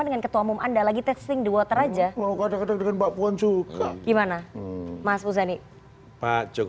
dengan ketua umum anda lagi testing the water aja rebecca berdérébak pun cukup gimana maksudnya nih pak